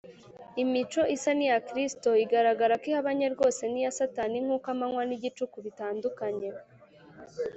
imico isa n’iya kristo igaragara ko ihabanye rwose n’iya satani nk’uko amanywa n’igicuku bitandukanye